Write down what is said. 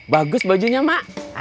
bagus bajunya mak